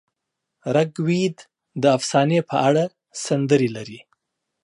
رګ وید د افسانې په اړه سندرې لري.